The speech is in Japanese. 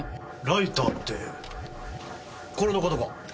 ライターってこれの事か？